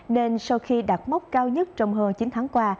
nên sau khi đạt mốc cao nhất trong hơn chín tháng qua